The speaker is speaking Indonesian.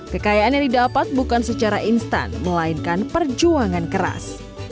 kekayaan yang didapat bukan secara instan melainkan perjuangan keras